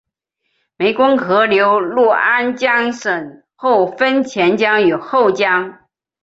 湄公河流入安江省后分前江与后江。